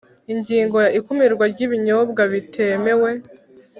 Ingingo ya Ikumirwa ry ibinyobwa bitemewe